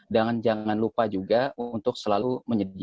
dan jangan lupa juga untuk selalu menyelamatkan